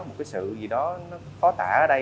một sự gì đó khó tả ở đây